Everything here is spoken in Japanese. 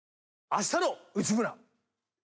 『あしたの内村！！』